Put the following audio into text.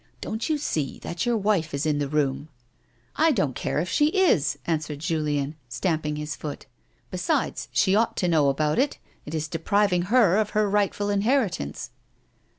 " Don't you see that your wife is in the room 1 "" I don't care if she is," answered Julien, stamping his foot. " Besides, she ought to know about it. It is depriv ing her of her rightful inheritance."